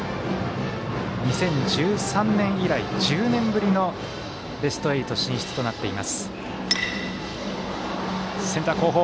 ２０１３年以来、１０年ぶりのベスト８進出となっています。